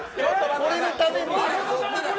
これのために。